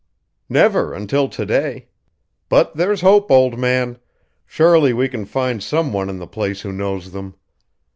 "Never until to day. But there's hope, old man. Surely we can find some one in the place who knows them.